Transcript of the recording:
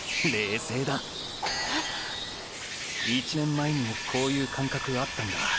⁉１年前にもこういう感覚あったんだ。